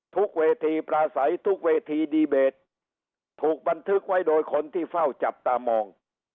ทุกเวทีปลาใสทุกเวทีดีเบตถูกบันทึกไว้โดยคนที่เฝ้าจับตามอง